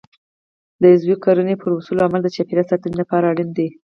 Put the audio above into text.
د عضوي کرنې پر اصولو عمل د چاپیریال ساتنې لپاره اړین دی.